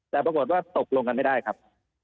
แต่ปรากฏว่าตกลงกันไม่ได้ครับ